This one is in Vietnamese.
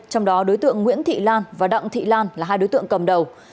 trong đó đối tượng nguyễn thị lan và đặng thị lan là hai đối tượng cầm đầu